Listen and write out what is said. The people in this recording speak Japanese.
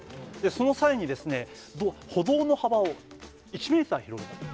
その際に、歩道の幅を１メーター広げた。